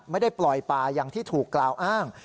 ไม่ได้ปล่อยป่าอย่างที่ถูกกล่าวอ้าง